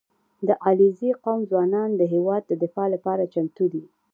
• د علیزي قوم ځوانان د هېواد د دفاع لپاره چمتو دي.